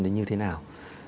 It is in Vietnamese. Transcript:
đến như thế nào